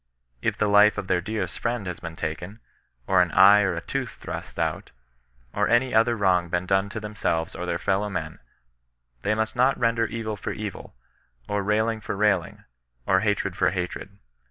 If the life of their dearest fnend has been taken, or an eye or a tooth thrust out, or any other wrong been done to themselves or their fellow men, they must not render evil for evil, or railing for railing, or hatred for hatred.